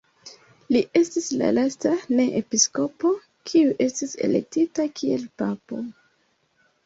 Li estis la lasta ne-episkopo, kiu estis elektita kiel papo.